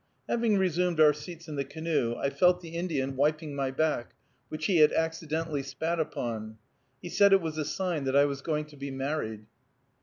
Having resumed our seats in the canoe, I felt the Indian wiping my back, which he had accidentally spat upon. He said it was a sign that I was going to be married.